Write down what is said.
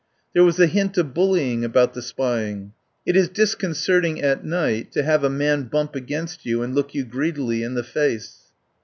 There was a hint of bullying about the spying. It is discon certing at night to have a man bump against you and look you greedily in the face.